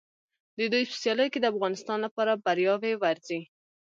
د دوی په سیالیو کې د افغانستان لپاره بریاوې ورځي.